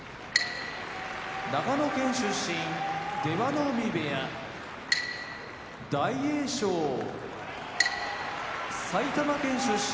長野県出身出羽海部屋大栄翔埼玉県出身